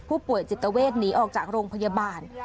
ผู้ป่วยจิตเวทหนีออกจากโรงพยาบาล